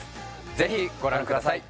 ぜひご覧ください